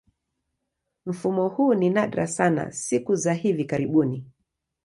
Mfumo huu ni nadra sana siku za hivi karibuni.